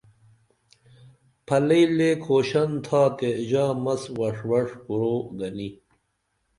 پھلئی لے کھوشن تھاتے ژا مس وش وش کورو گنی